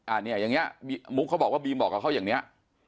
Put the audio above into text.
อันนี้อย่างนี้มุกเขาบอกว่าบีมบอกกับเขาอย่างนี้